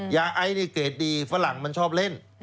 ยาไอนี่เกรดดีฝรั่งมันชอบเล่น